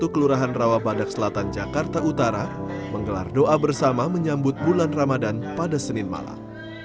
kelurahan rawabadak selatan jakarta utara menggelar doa bersama menyambut bulan ramadan pada senin malam